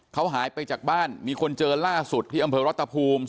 เขาหายไปจากบ้านมีคนเจอล่าสุดที่อำเภอรัฐภูมิ